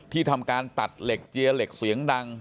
ทำการตัดเหล็กเจียเหล็กเสียงดัง